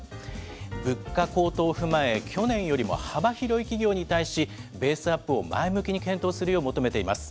物価高騰を踏まえ、去年よりも幅広い企業に対し、ベースアップを前向きに検討するよう求めています。